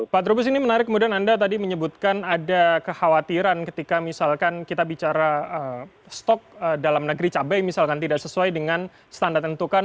pak trubus ini menarik kemudian anda tadi menyebutkan ada kekhawatiran ketika misalkan kita bicara stok dalam negeri cabai misalkan tidak sesuai dengan standar tentukan